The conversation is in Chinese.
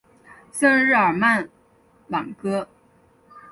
圣日尔曼朗戈。